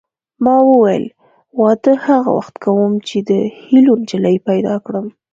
ما ویل واده هغه وخت کوم چې د هیلو نجلۍ پیدا کړم